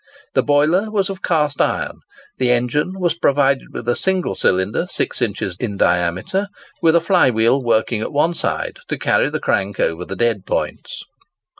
The boiler was of cast iron. The engine was provided with a single cylinder six inches in diameter, with a fly wheel working at one side to carry the crank over the dead points.